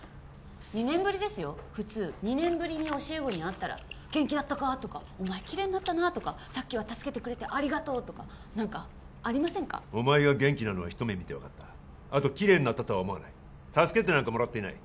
２年ぶりですよ普通２年ぶりに教え子に会ったら「元気だったか？」とか「お前きれいになったな」とか「さっきは助けてくれてありがとう」とか何かありませんかお前が元気なのはひと目見て分かったあときれいになったとは思わない助けてなんかもらっていない